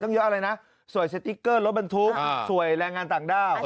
เยอะอะไรนะสวยสติ๊กเกอร์รถบรรทุกสวยแรงงานต่างด้าว